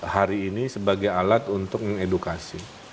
hari ini sebagai alat untuk mengedukasi